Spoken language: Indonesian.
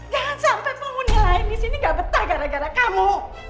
jangan sampai penghuni lain di sini gak betah gara gara kamu